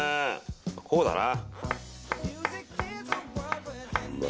こうだな。